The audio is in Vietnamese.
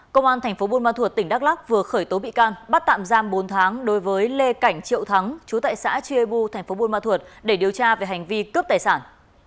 công an tp bunma thuột tỉnh đắk lắc vừa khởi tố bị can bắt tạm giam bốn tháng đối với lê cảnh triệu thắng chú tại xã chiebu tp bunma thuột để điều tra về hành vi cướp tài sản